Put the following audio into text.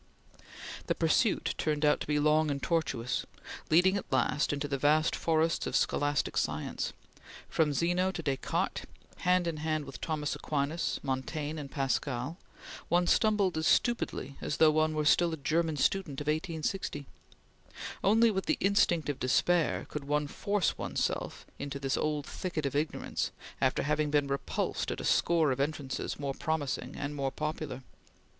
The pursuit turned out to be long and tortuous, leading at last to the vast forests of scholastic science. From Zeno to Descartes, hand in hand with Thomas Aquinas, Montaigne, and Pascal, one stumbled as stupidly as though one were still a German student of 1860. Only with the instinct of despair could one force one's self into this old thicket of ignorance after having been repulsed a score of entrances more promising and more popular.